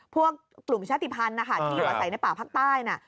กลุ่มชาติภัณฑ์นะคะที่อยู่อาศัยในป่าภาคใต้